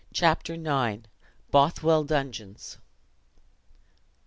Chapter IX. Bothwell Dungeons.